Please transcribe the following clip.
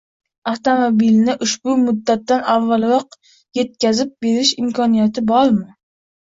Avtomobilni ushbu muddatdan avvalroq etkazib berish imkoniyati bormi?